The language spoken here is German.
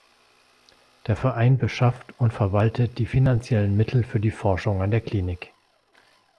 Der Verein beschafft und verwaltet die finanziellen Mittel für die Forschung an der klinik.